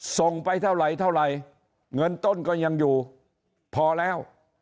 ส่งไปเท่าไหร่เท่าไหร่เงินต้นก็ยังอยู่พอแล้ว